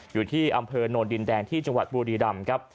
อยู่ที่อำเภอโนนดินแดงที่จังหวัดบุรีรำครับ